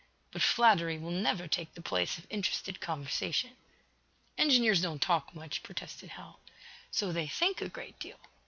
"But flattery will never take the place of interested conversation." "Engineers don't talk much," protested Hal. "So they think a great deal.